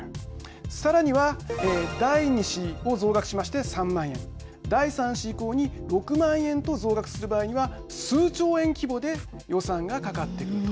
さらには第２子を増額しまして３万円、第３子以降に６万円と増大する場合には数兆円規模で予算がかかってくると。